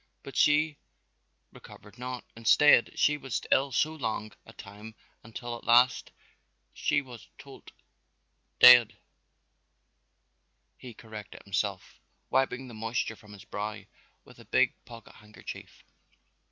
But she recovered not; instead she was ill so long a time until at last she was todt, dead," he corrected himself, wiping the moisture from his brow with a big pocket handkerchief.